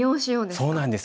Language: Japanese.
そうなんです。